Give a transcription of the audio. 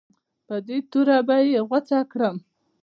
په دې توره به یې غوڅه کړم.